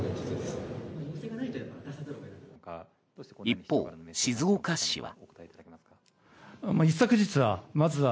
一方、静岡市は。